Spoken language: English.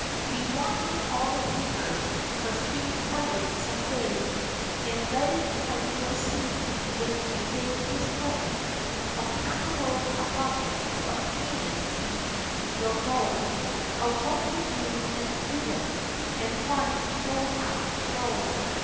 Be watching all the papers; for soon or late some day, In leaded type, you'll see it, and with a big display Of capitals above it, of claimant, who will know, Of what to do, and do it, and one who'll have to go!